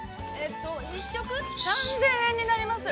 ◆１食３０００円になります。